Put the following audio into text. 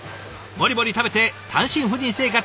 モリモリ食べて単身赴任生活